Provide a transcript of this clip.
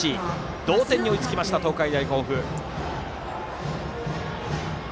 同点に追いついた東海大甲府。